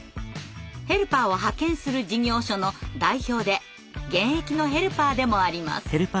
ヘルパーを派遣する事業所の代表で現役のヘルパーでもあります。